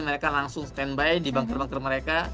mereka langsung standby di bunker bunker mereka